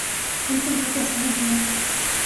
Él podía aplastar a un gigante.